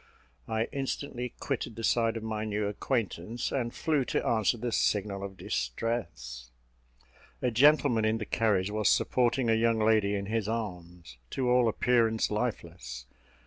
I instantly quitted the side of my new acquaintance, and flew to answer the signal of distress. A gentleman in the carriage was supporting a young lady in his arms, to all appearance lifeless.